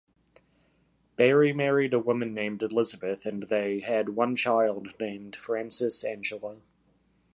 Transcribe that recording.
Barry married a woman named Elizabeth, and they had one child named Frances Angela.